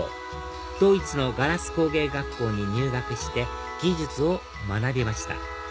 ドイツのガラス工芸学校に入学して技術を学びました